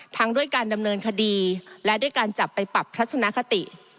ด้วยการดำเนินคดีและด้วยการจับไปปรับทัศนคติ